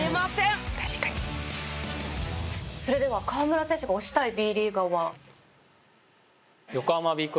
それでは河村選手が推したいＢリーガーは？